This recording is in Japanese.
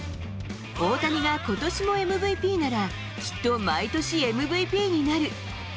大谷がことしもＭＶＰなら、きっと毎年ＭＶＰになる。